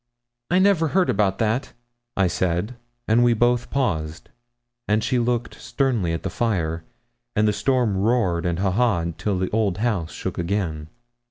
'I never heard about that,' I said; and we both paused, and she looked sternly at the fire, and the storm roared and ha ha ed till the old house shook again.